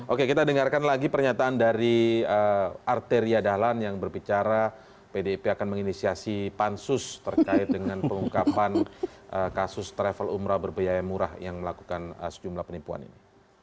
oke kita dengarkan lagi pernyataan dari arteria dahlan yang berbicara pdip akan menginisiasi pansus terkait dengan pengungkapan kasus travel umrah berbiaya murah yang melakukan sejumlah penipuan ini